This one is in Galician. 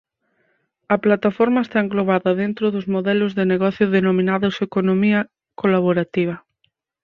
A plataforma está englobada dentro dos modelos de negocio denominados economía colaborativa.